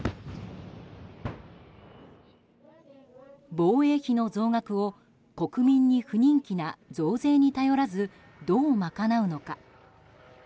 防衛費の増額を国民に不人気な増税に頼らずどう賄うのか。